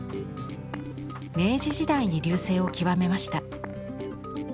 明治時代に隆盛を極めました。